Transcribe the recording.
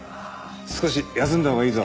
少し休んだほうがいいぞ。